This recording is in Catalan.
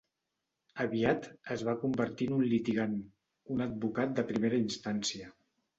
Aviat, es va convertir en un litigant, un advocat de primera instància.